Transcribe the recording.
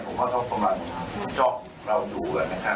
ผมว่าเขาความมั่นจ้องเราอยู่